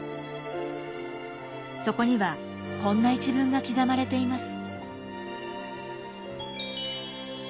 そこにはこんな一文が刻まれています。